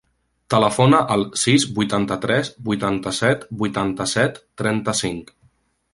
Telefona al sis, vuitanta-tres, vuitanta-set, vuitanta-set, trenta-cinc.